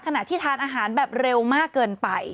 ขณะที่ทานอาหารแบบเร็วมากเกินไป